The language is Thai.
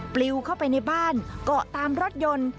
ปลิวเข้าไปในบ้านเกาะตามรถยนต์